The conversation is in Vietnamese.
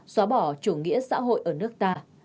xóa bỏ chủ nghĩa xã hội ở nước ta